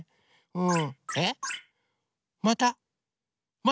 うん？